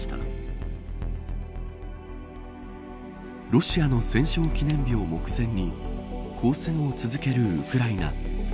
ロシアの戦勝記念日を目前に交戦を続けるウクライナ。